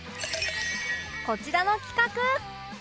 こちらの企画！